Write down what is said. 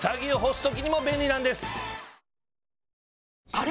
あれ？